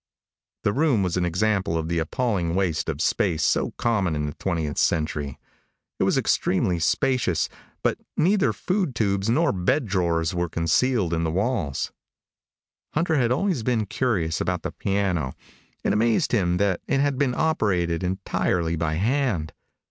The room was an example of the appalling waste of space so common to the twentieth century. It was extremely spacious, but neither food tubes nor bed drawers were concealed in the walls. Hunter had always been curious about the piano. It amazed him that it had been operated entirely by hand.